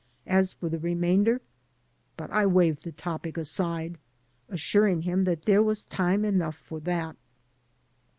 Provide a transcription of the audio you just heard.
As for the remainder — but I waved the topic aside, assuring him that there was time enough for that.